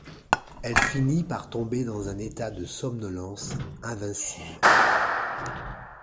Elle finit par tomber dans un état de somnolence invincible.